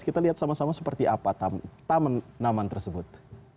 kita lihat sama sama seperti apa taman naman tersebut